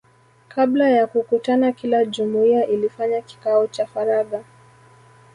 Kabla ya kukutana kila jumuiya ilifanya kikao cha faragha